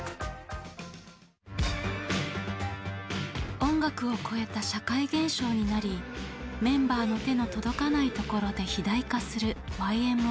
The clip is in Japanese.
音楽を超えた社会現象になりメンバーの手の届かないところで肥大化するＹＭＯ。